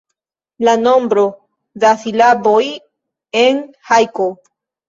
La nombro da silaboj en hajko.